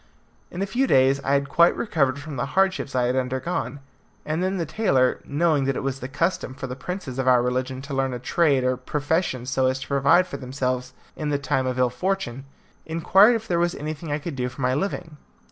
In a few days I had quite recovered from the hardships I had undergone, and then the tailor, knowing that it was the custom for the princes of our religion to learn a trade or profession so as to provide for themselves in times of ill fortune, inquired if there was anything I could do for my living.